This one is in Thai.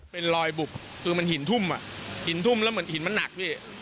เป็นรอยบุบคือมันหินทุ่มอ่ะหินทุ่มแล้วเหมือนหินมันหนักพี่